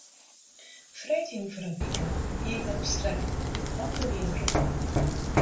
Freedtejûn foar in wike hie ik dat besletten, moandei wie it rûn.